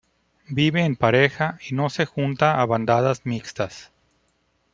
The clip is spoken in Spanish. Vive en pareja y no se junta a bandadas mixtas.